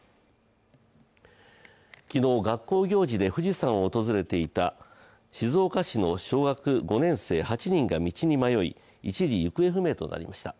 昨日、学校行事で富士山を訪れていた静岡市の小学５年生８人が道に迷い、一時、行方不明となりました。